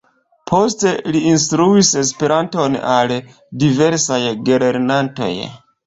Poste, li instruis Esperanton al diversaj gelernantoj.